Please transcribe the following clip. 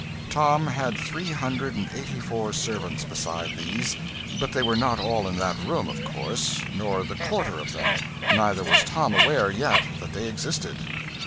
Tom had three hundred and eighty four servants beside these; but they were not all in that room, of course, nor the quarter of them; neither was Tom aware yet that they existed.